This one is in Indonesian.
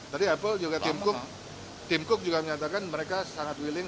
tadi apple juga tim cook juga menyatakan mereka sangat willing